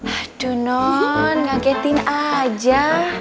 aduh non ngagetin aja